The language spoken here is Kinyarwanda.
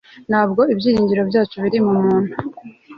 Ntabwo ibyiringiro byacu biri mu muntu